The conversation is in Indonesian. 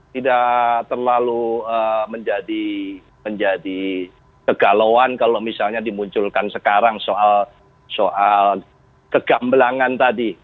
tidak terlalu menjadi kegalauan kalau misalnya dimunculkan sekarang soal kegambelangan tadi